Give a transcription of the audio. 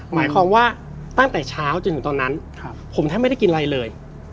หมายความว่าตั้งแต่เช้าจนถึงตอนนั้นผมแทบไม่ได้กินอะไรเลย